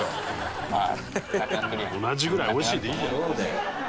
「“同じぐらい美味しい”でいいんだよ」